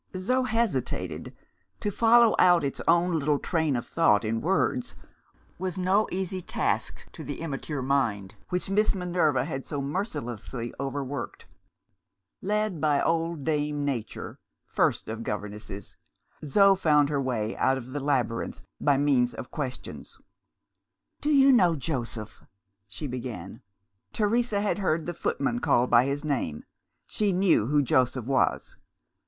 Zo hesitated. To follow out its own little train of thought, in words, was no easy task to the immature mind which Miss Minerva had so mercilessly overworked. Led by old Dame Nature (first of governesses!) Zo found her way out of the labyrinth by means of questions. "Do you know Joseph?" she began. Teresa had heard the footman called by his name: she knew who Joseph was.